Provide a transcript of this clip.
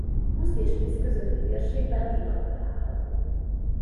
Huszt és Visk közötti térségben higany található.